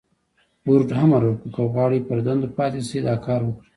فورډ امر وکړ که غواړئ پر دندو پاتې شئ دا کار وکړئ.